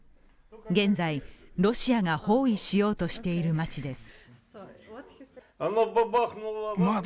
現在、ロシアが包囲しようとしている街です。